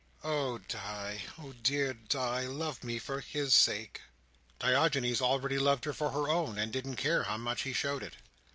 "Oh, Di! Oh, dear Di! Love me for his sake!" Diogenes already loved her for her own, and didn't care how much he showed it.